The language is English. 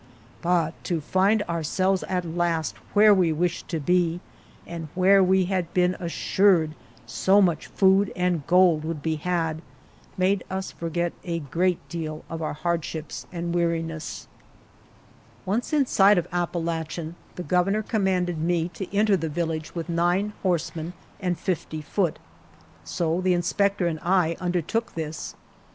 But to find ourselves at last where we wished to be and where we had been assured so much food and gold would be had, made us forget a great deal of our hardships and weariness. 24 ALVAR NUNEZ CABEZA DE VACA ONCE in sight of Apalachen, 6 the Go.vernor commanded me to enter the village with nine horsemen and fifty foot. So the inspector and I undertook this.